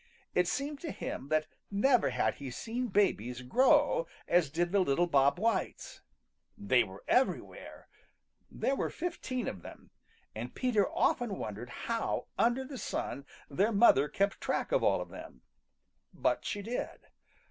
It seemed to him that never had he seen babies grow as did the little Bob Whites. They were everywhere. There were fifteen of them, and Peter often wondered how under the sun their mother kept track of all of them. But she did.